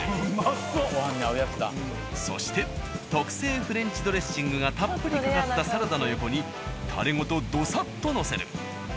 そして特製フレンチドレッシングがたっぷりかかったサラダの横にたれごとドサッとのせる。